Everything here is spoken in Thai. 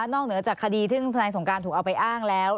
เหนือจากคดีซึ่งทนายสงการถูกเอาไปอ้างแล้ว